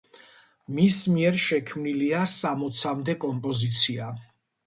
მის მიერ შექმნილია სამოცამდე კომპოზიცია.